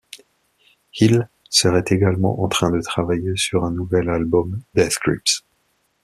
Hill serait également en train de travailler sur un nouvel album Death Grips.